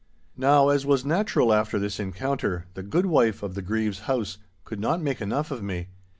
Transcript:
Now, as was natural after this encounter, the goodwife of the Grieve's house could not make enough of me.